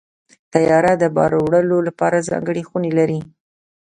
طیاره د بار وړلو لپاره ځانګړې خونې لري.